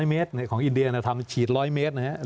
๐เมตรของอินเดียทำฉีด๑๐๐เมตรนะครับ